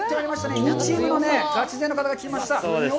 ２チームのガチ勢の方が来ました。